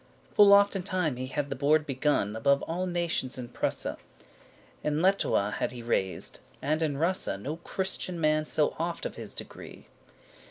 Full often time he had the board begun Above alle nations in Prusse.<7> In Lettowe had he reysed,* and in Russe, *journeyed No Christian man so oft of his degree.